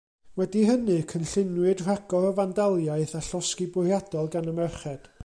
Wedi hynny, cynlluniwyd rhagor o fandaliaeth a llosgi bwriadol gan y merched.